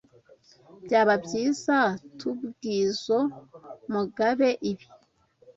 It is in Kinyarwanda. Byaba byiza tubwizoe Mugabe ibi.